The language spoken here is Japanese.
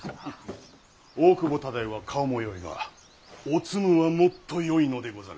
大久保忠世は顔もよいがおつむはもっとよいのでござる。